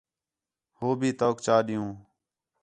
ہو بھی تؤک چا ݙیؤں